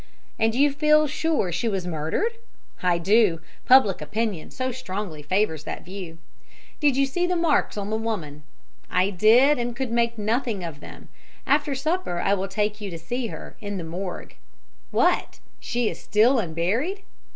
"And you feel sure she was murdered?" "I do. Public opinion so strongly favours that view." "Did you see the marks on the woman?" "I did, and could make nothing of them. After supper I will take you to see her, in the morgue." "What she is still unburied?"